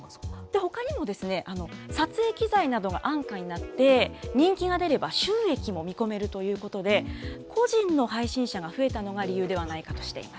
ほかにも、撮影機材などが安価になって、人気が出れば、収益も見込めるということで、個人の配信者が増えたのが理由ではないかとしています。